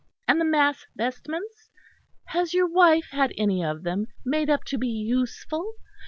And the mass vestments? Has your wife had any of them made up to be useful?